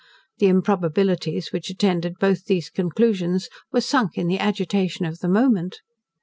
The improbabilities which attended both these conclusions, were sunk in the agitation of the moment.